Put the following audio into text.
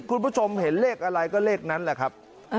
คุณผู้ชมเห็นเลขอะไรก็เลขนั้นแหละครับ